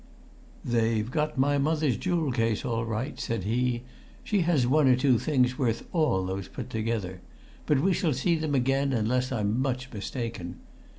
"They've got my mother's jewel case all right!" said he. "She has one or two things worth all those put together; but we shall see them again unless I'm much mistaken.